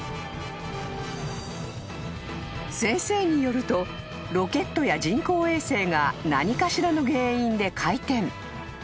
［先生によるとロケットや人工衛星が何かしらの原因で回転］